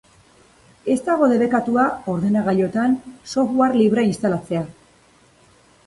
Ez dago debekatua ordenagailuetan software librea instalatzea.